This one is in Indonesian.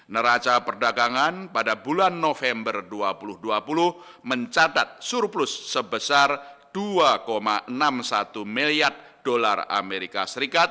neraca perdagangan pada bulan november dua ribu dua puluh mencatat surplus sebesar dua enam puluh satu miliar dolar as